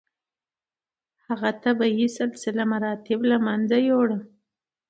هغه طبیعي سلسله مراتب له منځه یووړه.